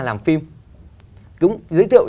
làm phim giới thiệu